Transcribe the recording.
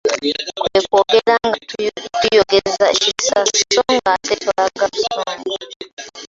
Kwe kwogera nga toyogeza kisa sso ng'ate tolaga busungu.